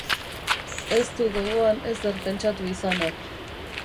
Ez du gogoan ezer pentsatu izana.